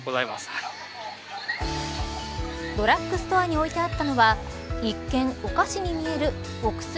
ドラッグストアに置いてあったのは一見お菓子に見えるおくすり